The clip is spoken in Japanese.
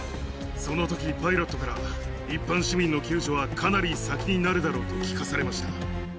そのとき、パイロットから、一般市民の救助はかなり先になるだろうと聞かされました。